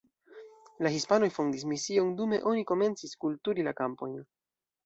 La hispanoj fondis mision, dume oni komencis kulturi la kampojn.